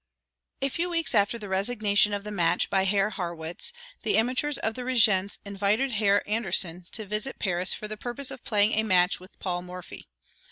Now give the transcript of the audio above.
A few weeks after the resignation of the match by Herr Harrwitz, the amateurs of the Régence invited Herr Anderssen to visit Paris for the purpose of playing a match with Paul Morphy.